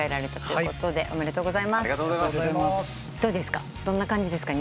どうですか？